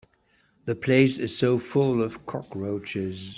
The place is so full of cockroaches.